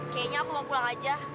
kayaknya aku mau pulang aja